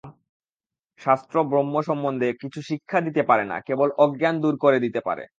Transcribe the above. শাস্ত্র ব্রহ্ম-সম্বন্ধে কিছু শিক্ষা দিতে পারে না, কেবল অজ্ঞান দূর করে দিতে পারে।